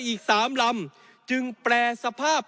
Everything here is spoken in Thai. อีก๓ลำจึงแปรสภาพ